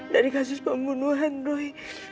dari kasus pembunuhan doi